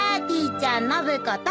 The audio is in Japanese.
ちゃん信子と。